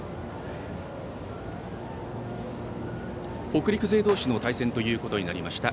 北陸勢同士の対戦ということになりました。